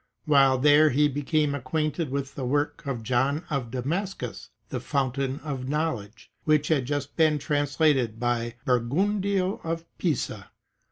^ While there he became acquainted with the work of John of Da mascus, "The Fountain of Knowledge," which had just been translated by Burgundio of Pisa.